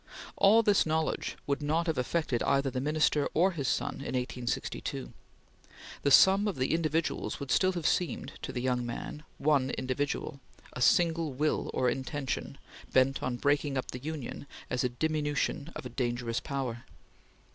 All this knowledge would not have affected either the Minister or his son in 1862. The sum of the individuals would still have seemed, to the young man, one individual a single will or intention bent on breaking up the Union "as a diminution of a dangerous power."